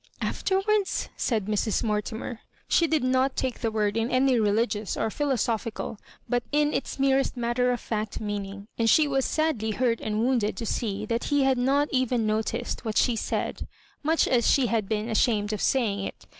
'* Afterwards ?" said Mrs. Mortimer. She did not take the word in any religious or philosophi cal, but in its merest matter of fact meaning, and she was sadly hurt and wounded to see that he had not even noticed what she said, much as she had been ashamed of saying it.